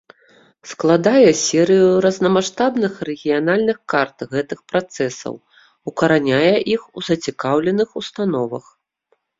Складае серыю рознамаштабных рэгіянальных карт гэтых працэсаў, укараняе іх у зацікаўленых установах.